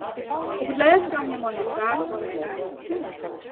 Op 't lêst kaam hja mei har fraach foar it ljocht.